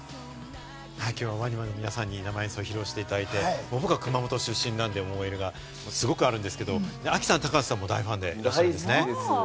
きょうはＷＡＮＩＭＡの皆さんに演奏を披露していただいて、僕は熊本出身なので、燃えるものがすごくあるんですけれども、亜希さん、高橋さんも大ファンなんですね。